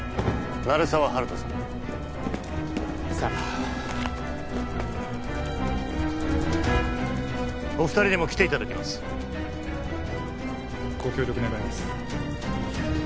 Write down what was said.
鳴沢温人さんさっお二人にも来ていただきますご協力願います